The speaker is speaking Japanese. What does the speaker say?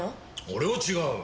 俺は違う。